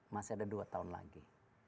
masih ada dua tahun lagi